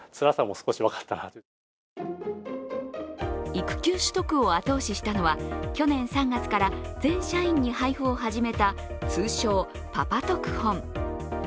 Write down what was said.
育休取得を後押ししたのは去年３月から全社員に配布を始めた通称・パパ読本。